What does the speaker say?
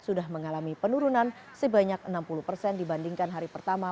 sudah mengalami penurunan sebanyak enam puluh persen dibandingkan hari pertama